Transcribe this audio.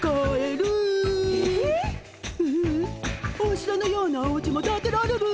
ううんおしろのようなおうちもたてられる！